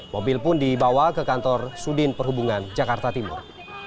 mobil pun dibawa ke kantor sudin perhubungan jakarta timur